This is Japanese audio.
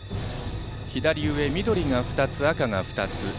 左上、緑が２つ、赤が２つ。